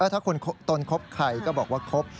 ถ้าคนตนคบใครก็บอกว่าคบ